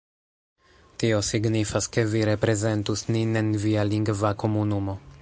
Tio signifas, ke vi reprezentus nin en via lingva komunumo